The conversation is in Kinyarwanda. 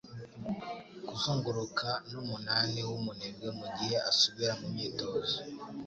kuzunguruka n'umunani wumunebwe mugihe asubira mumyitozo